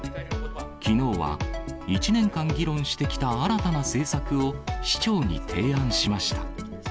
きのうは１年間議論してきた新たな政策を市長に提案しました。